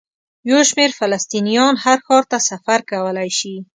یو شمېر فلسطینیان هر ښار ته سفر کولی شي.